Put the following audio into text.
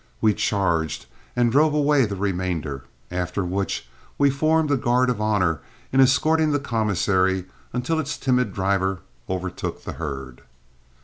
We charged and drove away the remainder, after which we formed a guard of honor in escorting the commissary until its timid driver overtook the herd.